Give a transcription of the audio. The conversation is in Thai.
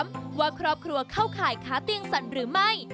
ต้องตอบคำถามว่าครอบครัวเข้าข่ายค้าเตียงสั่นหรือไม่